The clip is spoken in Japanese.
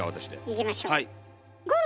いきましょう。